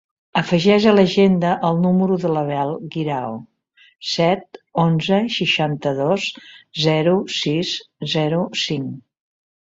Afegeix a l'agenda el número de l'Abel Guirao: set, onze, seixanta-dos, zero, sis, zero, cinc.